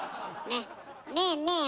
ねえねえ